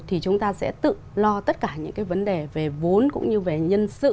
thì chúng ta sẽ tự lo tất cả những cái vấn đề về vốn cũng như về nhân sự